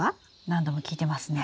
何度も聞いてますね。